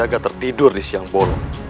jaga tertidur di siang bolu